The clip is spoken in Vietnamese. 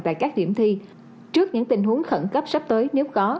tại các điểm thi trước những tình huống khẩn cấp sắp tới nếu có